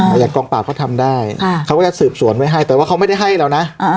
อย่างกองปราบเขาทำได้เขาก็จะสืบสวนไว้ให้แต่ว่าเขาไม่ได้ให้เรานะ